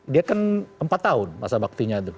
dia kan empat tahun masa baktinya itu